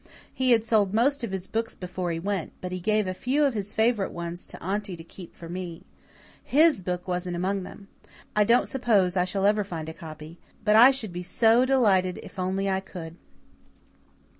He had sold most of his books before he went, but he gave a few of his favourite ones to Aunty to keep for me. HIS book wasn't among them. I don't suppose I shall ever find a copy, but I should be so delighted if I only could."